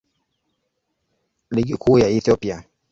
Ligi Kuu ya Ethiopia.